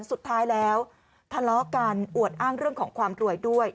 สุดท้ายแล้วทะเลาะกันอวดอ้างเรื่องของความรวยด้วย